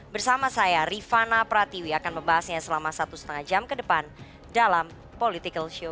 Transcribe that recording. bersama saya rifana pratiwi akan membahasnya selama satu lima jam ke depan dalam political show